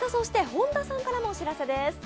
本田さんからもお知らせです。